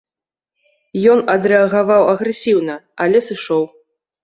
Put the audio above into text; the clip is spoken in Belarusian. Ён адрэагаваў агрэсіўна, але сышоў.